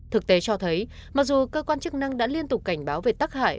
thực tế cho thấy mặc dù cơ quan chức năng đã liên tục cảnh báo về tắc hại